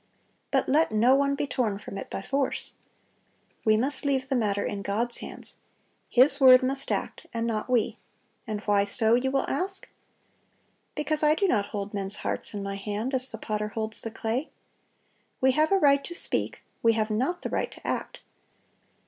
But let no one be torn from it by force. We must leave the matter in God's hands. His word must act, and not we. And why so? you will ask. Because I do not hold men's hearts in my hand, as the potter holds the clay. We have a right to speak: we have not the right to act.